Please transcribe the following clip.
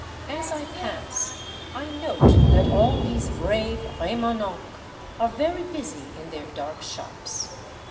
As I pass, I note that all these brave R^monencques are very busy in their dark shops.